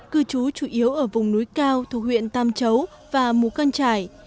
cư trú chủ yếu ở vùng núi cao thủ huyện tam chấu và mù căn trải